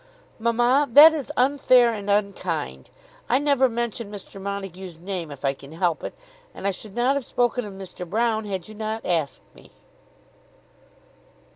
"Mamma, that is unfair and unkind. I never mention Mr. Montague's name if I can help it, and I should not have spoken of Mr. Broune, had you not asked me."